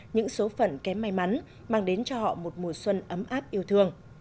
những số phận kém may mắn mang đến cho họ một mùa xuân ấm áp yêu thương